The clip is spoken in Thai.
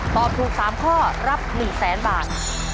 ตอบถูก๓ข้อรับ๑แสนบาท